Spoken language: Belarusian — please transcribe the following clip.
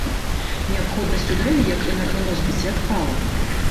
Неабходнасць у дрэве як энерганосьбіце адпала.